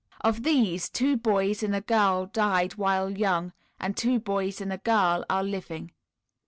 Of these, two boys and a girl died while young, and two boys and a girl are living.